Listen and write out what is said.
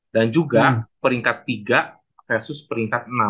dan juga peringkat tiga versus peringkat enam